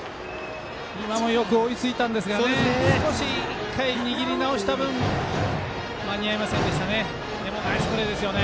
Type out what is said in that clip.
今もよく追いついたんですが少し、１回、握り直した分間に合いませんでしたね。